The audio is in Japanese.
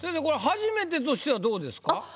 これ初めてとしてはどうですか？